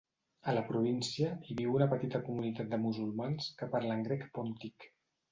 A la província, hi viu una petita comunitat de musulmans que parlen grec pòntic.